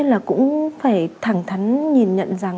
chúng ta cũng phải thẳng thắn nhìn nhận rằng